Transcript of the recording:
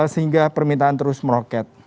sehingga permintaan terus meroket